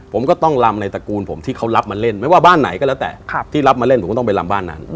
ผมก็ต้องลำในตระกูลผมที่เขารับมาเล่นไม่ว่าบ้านไหนก็แล้วแต่ที่รับมาเล่นผมก็ต้องไปลำบ้านนั้น